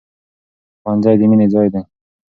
ښوونځی د مینې ځای دی.